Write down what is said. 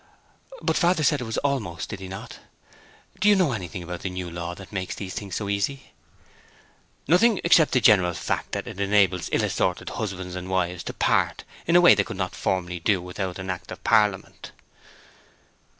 "But father said it was almost—did he not? Do you know anything about the new law that makes these things so easy?" "Nothing—except the general fact that it enables ill assorted husbands and wives to part in a way they could not formerly do without an Act of Parliament."